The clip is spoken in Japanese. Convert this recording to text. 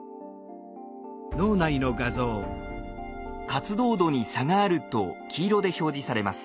活動度に差があると黄色で表示されます。